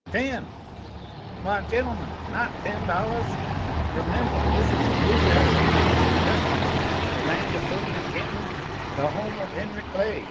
Ten! Why, gentlemen! Not ten dollahs? Remembah, this is the Blue Grass Region of Kentucky the land of Boone an' Kenton, the home of Henry Clay!"